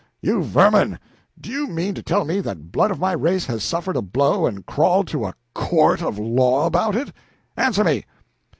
You vermin! Do you mean to tell me that blood of my race has suffered a blow and crawled to a court of law about it? Answer me!"